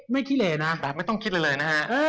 ไม่ต้องคิดเลยนะฮะ